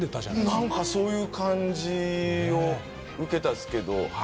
何かそういう感じを受けたっすけど。